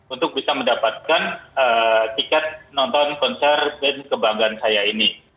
untuk bisa mendapatkan tiket nonton konser band kebanggaan saya ini